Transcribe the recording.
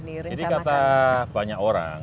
ini kata banyak orang